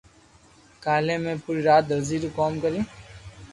ڪالي مي پري رات درزو رو ڪوم ڪريو